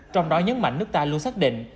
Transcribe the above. trong đó nhấn mạnh nước ta luôn xác định